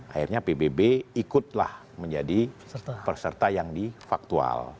akhirnya pbb ikutlah menjadi peserta yang di faktual